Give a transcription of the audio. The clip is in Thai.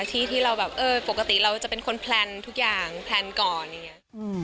ที่เราแบบเออปกติเราจะเป็นคนแพลนทุกอย่างแพลนก่อนอย่างนี้